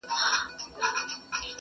سېل د زاڼو پر ساحل باندي تیریږي!